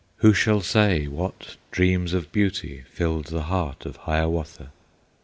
Who shall say what dreams of beauty Filled the heart of Hiawatha?